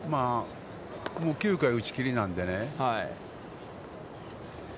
９回打ち切りなのでね。